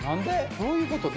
どういうこと？